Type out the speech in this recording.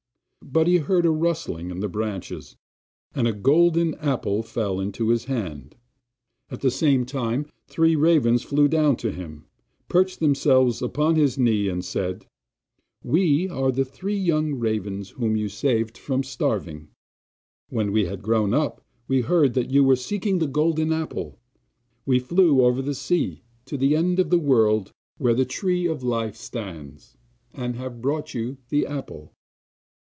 But he heard a rustling in the branches, and a golden apple fell into his hand. At the same time three ravens flew down to him, perched themselves upon his knee, and said: 'We are the three young ravens whom you saved from starving; when we had grown big, and heard that you were seeking the Golden Apple, we flew over the sea to the end of the world, where the Tree of Life stands, and have brought you the apple.